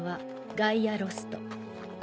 ガイアロスト？